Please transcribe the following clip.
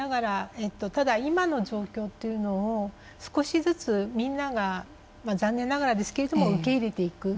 今の状況というのを少しずつみんなが残念ながらですけども受け入れていく。